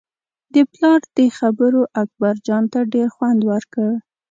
د پلار دې خبرو اکبرجان ته ډېر خوند ورکړ.